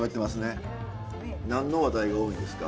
何の話題が多いんですか？